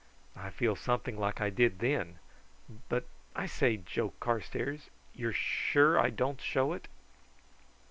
I feel something like I did then; but I say, Joe Carstairs, you're sure I don't show it?"